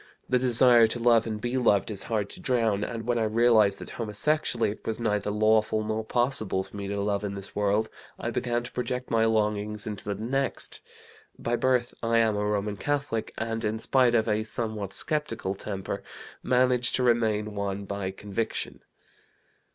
The desire to love and be loved is hard to drown, and, when I realized that homosexually it was neither lawful nor possible for me to love in this world, I began to project my longings into the next. By birth I am a Roman Catholic, and in spite of a somewhat skeptical temper, manage to remain one by conviction.